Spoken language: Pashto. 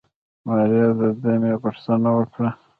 ماريا د دمې غوښتنه وکړه.